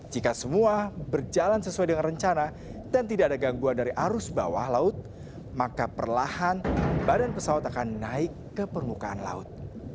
jika semua berjalan sesuai dengan rencana dan tidak ada gangguan dari arus bawah laut maka perlahan badan pesawat akan naik ke permukaan laut